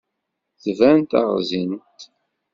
Tban taɣẓint.